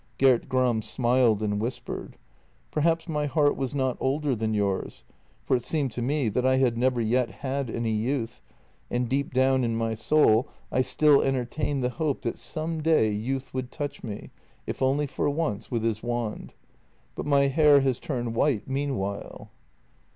Gert Gram smiled, and whispered :" Perhaps my heart was not older than yours — for it seemed to me that I had never yet had any youth, and deep down in my soul I still entertained the 202 JENNY hope that some day youth would touch me, if only for once, with his wand. But my hair has turned white meanwhile."